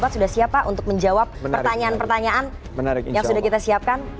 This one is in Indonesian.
sudah siap pak untuk menjawab pertanyaan pertanyaan yang sudah kita siapkan